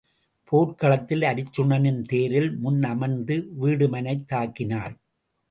போர்க்களத்தில் அருச்சுனனின் தேரில் முன் அமர்ந்து வீடுமனைத் தாக்கினாள்.